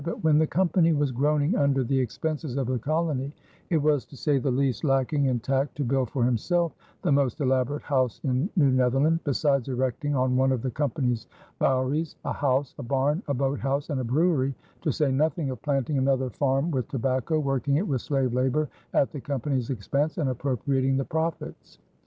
But when the Company was groaning under the expenses of the colony, it was, to say the least, lacking in tact to build for himself the most elaborate house in New Netherland, besides erecting on one of the Company's bouweries a house, a barn, a boathouse, and a brewery, to say nothing of planting another farm with tobacco, working it with slave labor at the Company's expense, and appropriating the profits.